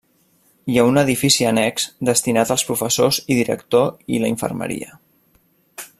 Hi ha un edifici annex destinat als professors i director i la infermeria.